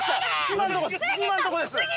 今のとこです！